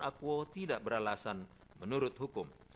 akuo tidak beralasan menurut hukum